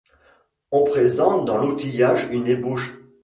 On présente dans l'outillage une ébauche.